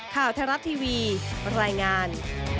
ข่าวทรัพย์ทีวีรายงาน